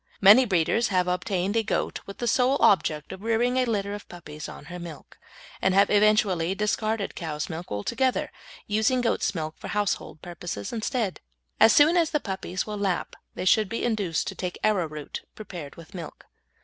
Many breeders have obtained a goat with the sole object of rearing a litter of puppies on her milk, and have eventually discarded cow's milk altogether, using goat's milk for household purposes instead. As soon as the puppies will lap they should be induced to take arrowroot prepared with milk.